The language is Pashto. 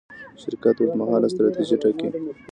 شرکت اوږدمهاله ستراتیژي ټاکي.